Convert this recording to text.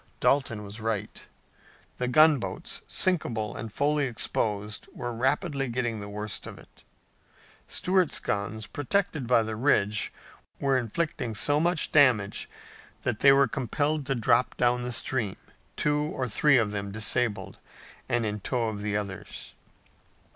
Dalton was right. The gunboats, sinkable and fully exposed, were rapidly getting the worst of it. Stuart's guns, protected by the ridge, were inflicting so much damage that they were compelled to drop down the stream, two or three of them disabled and in tow of the others.